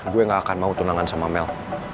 gue gak akan mau tunangan sama mel